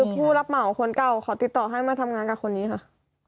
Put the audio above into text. ผู้รับเหมาคนเก่าเขาติดต่อให้มาทำงานกับคนนี้ค่ะ